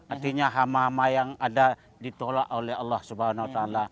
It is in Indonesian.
artinya hama hama yang ada ditolak oleh allah swt